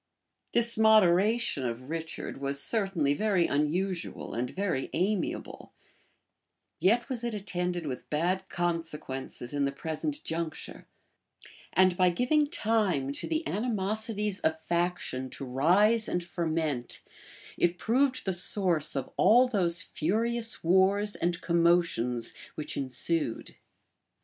This moderation of Richard was certainly very unusual and very amiable; yet was it attended with bad consequences in the present juncture; and by giving time to the animosities of faction to rise and ferment, it proved the source of all those furious wars and commotions which ensued.